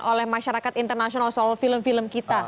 oleh masyarakat internasional soal film film kita